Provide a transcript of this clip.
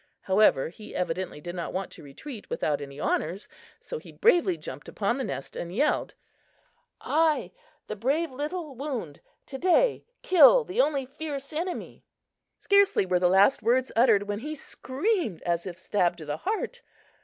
However, he evidently did not want to retreat without any honors; so he bravely jumped upon the nest and yelled: "I, the brave Little Wound, to day kill the only fierce enemy!" Scarcely were the last words uttered when he screamed as if stabbed to the heart.